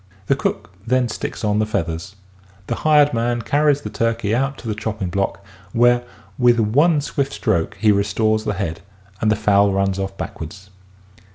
The cook then sticks on the feathers. The hired man carries the turkey out to the chopping block where with one swift stroke he restores the head and the fowl runs off backwards.